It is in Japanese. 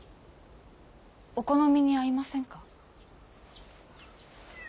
お好みに合いませんか？